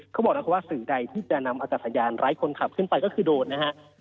เค้าบอกแล้วเค้าบอกว่าสื่อใดจะนำอากาศยานร้ายคนขับขึ้นไปก็คือโดรนนะฮะ